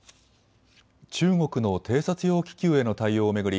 中国の偵察用気球への対応を巡り